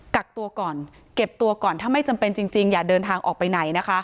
กักตัวก่อนเก็บตัวก่อนถ้าไม่จำเป็นจริงอย่าเดินทางออกไปไหนนะคะ